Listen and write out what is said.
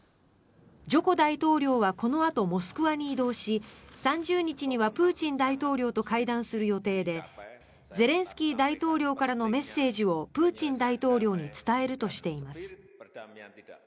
ジョコ大統領はこのあとモスクワに移動し３０日にはプーチン大統領と会談する予定でゼレンスキー大統領からのメッセージをプーチン大統領に伝えるとしています。